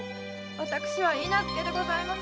私は許嫁でございます。